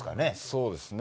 そうですね。